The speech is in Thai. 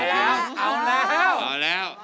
เอาแล้ว